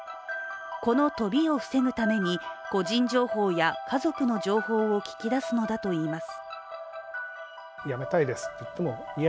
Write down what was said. この飛びを防ぐために、個人情報や家族の情報を聞き出すのだといいます。